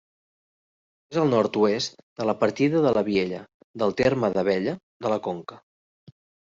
És al nord-oest de la partida de la Viella, del terme d'Abella de la Conca.